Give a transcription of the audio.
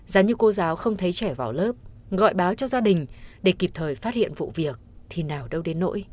giá như cô giáo không thấy trẻ vào lớp gọi báo cho gia đình để kịp thời phát hiện vụ việc thì nào đâu đến nỗi